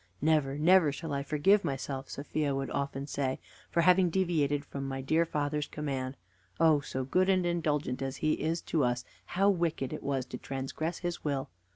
"Never, never shall I forgive myself," Sophia would often say, "for having deviated from my dear father's command! Oh, so good and indulgent as he is to us, how wicked it was to transgress his will!